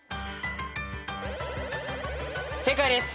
正解です。